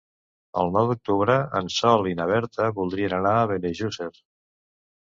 El nou d'octubre en Sol i na Berta voldrien anar a Benejússer.